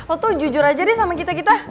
oh tuh jujur aja deh sama kita kita